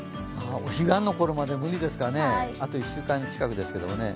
お彼岸のころまで無理ですかね、あと１週間近くですけれども。